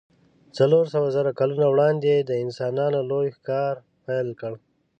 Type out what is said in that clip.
څلور سوو زرو کلونو وړاندې انسانانو لوی ښکار پیل کړ.